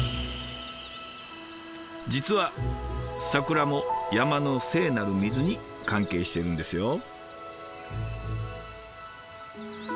実は桜も山の聖なる水に関係してるんですよ。